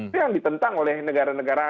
itu yang ditentang oleh negara negara